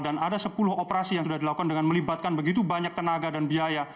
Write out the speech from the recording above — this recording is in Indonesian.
ada sepuluh operasi yang sudah dilakukan dengan melibatkan begitu banyak tenaga dan biaya